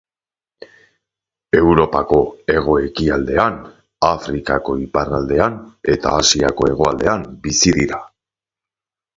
Europako hego-ekialdean, Afrikako iparraldean eta Asiako hegoaldean bizi dira.